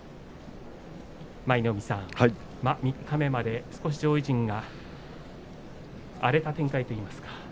舞の海さん、三日目まで上位陣が荒れた展開といいますか。